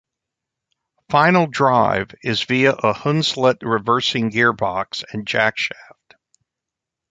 Final drive is via a Hunslet reversing gearbox and jackshaft.